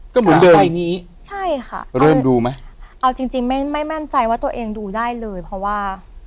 ก็เหมือนใบนี้ใช่ค่ะเริ่มดูไหมเอาจริงจริงไม่ไม่มั่นใจว่าตัวเองดูได้เลยเพราะว่า